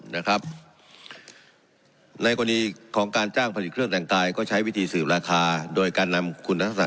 นะครับในกรณีของการจ้างผลิตเครื่องแต่งกายก็ใช้วิธีสืบราคาโดยการนำคุณทักษะ